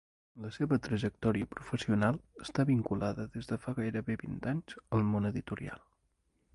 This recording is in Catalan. La seva trajectòria professional està vinculada des de fa gairebé vint anys al món editorial.